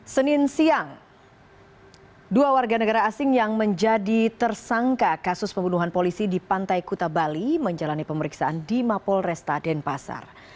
senin siang dua warga negara asing yang menjadi tersangka kasus pembunuhan polisi di pantai kuta bali menjalani pemeriksaan di mapol resta denpasar